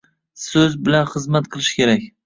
So‘z bilan xizmat qilish kerak.